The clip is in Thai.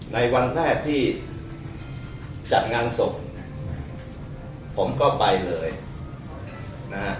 ในวันแรกที่จัดงานศพผมก็ไปเลยนะฮะ